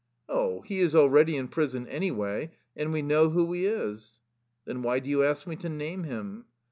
"^' Oh, he is already in prison, anyway, and we know who he is." " Then why do you ask me to name him?